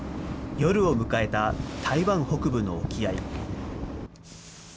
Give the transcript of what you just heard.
夜を迎えた台湾北部の沖合。